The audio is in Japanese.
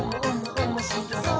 おもしろそう！」